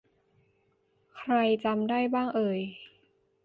ใครจำได้บ้างเอ่ย